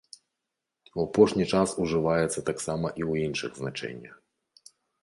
У апошні час ужываецца таксама і ў іншых значэннях.